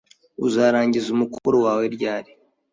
Uzarangiza umukoro wawe ryari?